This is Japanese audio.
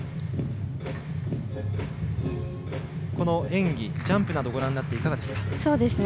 演技、ジャンプなどご覧になっていかがですか？